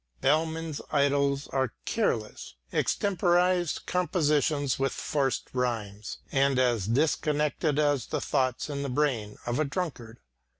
Bellmann's idylls are careless, extemporised compositions with forced rhymes, and as disconnected as the thoughts in the brain of a drunkard.